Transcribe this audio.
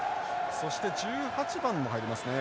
そして１８番も入りますね。